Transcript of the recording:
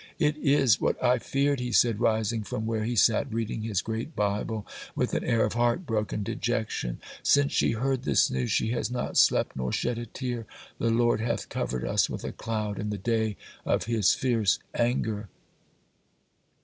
'It is what I feared,' he said, rising from where he sat reading his great Bible, with an air of heartbroken dejection. 'Since she heard this news, she has not slept nor shed a tear. The Lord hath covered us with a cloud in the day of His fierce anger.